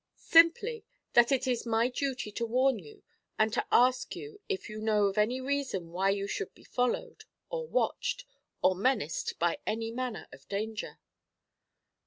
'Simply that it is my duty to warn you, and to ask you if you know of any reason why you should be followed, or watched, or menaced by any manner of danger?'